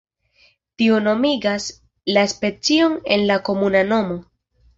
Tio nomigas la specion en la komuna nomo.